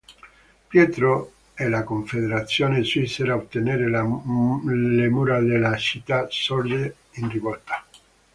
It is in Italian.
Pietro e la Confederazione svizzera ottenere le mura della città sorge in rivolta.